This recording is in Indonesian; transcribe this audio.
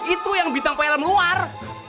itu yang bintang poyelem luar